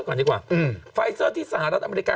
ก่อนดีกว่าไฟเซอร์ที่สหรัฐอเมริกา